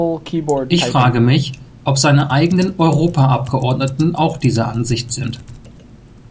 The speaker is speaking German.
Ich frage mich, ob seine eigenen Europaabgeordneten auch dieser Ansicht sind.